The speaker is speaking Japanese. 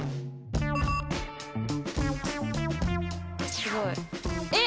すごいえっ！